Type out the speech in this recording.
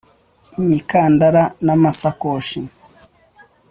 imikandara n’amasakoshi